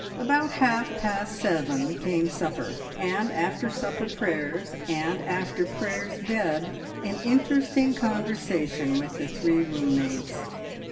About half past seven came supper, and after supper prayers, and after prayers bed, and an interesting conversation with the three room mates.